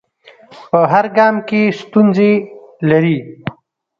په هر ګام کې ستونزې لري.